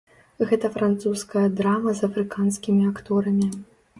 Гэта французская драма з афрыканскімі акторамі.